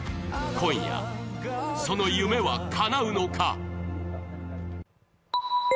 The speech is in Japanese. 今夜、その夢はかなうのか。